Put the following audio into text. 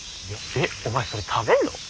えっお前それ食べんの？